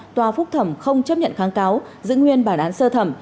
tòa phúc thẩm không chấp nhận kháng cáo giữ nguyên bản án sơ thẩm